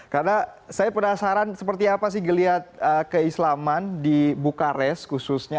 karena saya penasaran seperti apa sih geliat keislaman di bukares khususnya